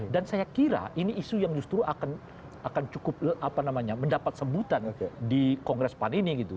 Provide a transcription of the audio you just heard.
saya kira ini isu yang justru akan cukup mendapat sebutan di kongres pan ini gitu